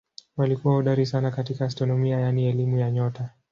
Walikuwa hodari sana katika astronomia yaani elimu ya nyota.